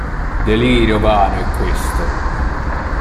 Delirio vano è questo!